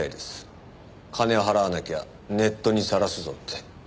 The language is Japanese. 金を払わなきゃネットにさらすぞって。